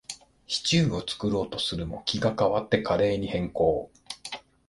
シチューを作ろうとするも、気が変わってカレーに変更